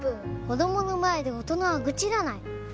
子供の前で大人は愚痴らない。